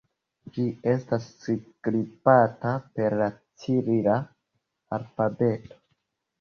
Ĝi estas skribata per la cirila alfabeto.